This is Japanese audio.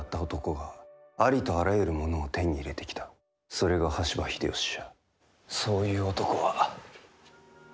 それが羽柴秀吉じゃ。